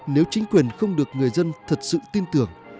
nếu chính quyền không được người dân thật sự tin tưởng